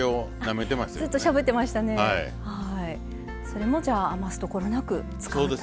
それもじゃあ余すところなく使うと。